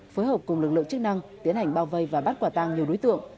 phối hợp cùng lực lượng chức năng tiến hành bao vây và bắt quả tăng nhiều đối tượng